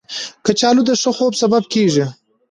کچالو د ښه خوب سبب کېږي